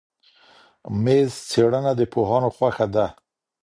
میز څېړنه د پوهانو خوښه ده.